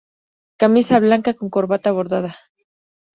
Camisa blanca con corbata bordada.